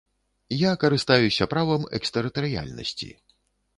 Я карыстаюся правам экстэрытарыяльнасці.